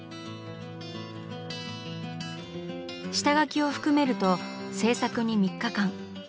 下描きを含めると制作に３日間。